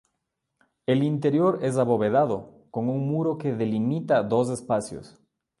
El interior es abovedado con un muro que delimita dos espacios.